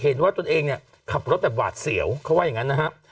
เห็นว่าตนเองเนี้ยขับรถแบบหวาดเสี่ยวเขาว่าอย่างงั้นนะฮะ